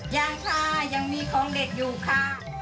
ยังค่ะยังมีของเด็กอยู่ค่ะ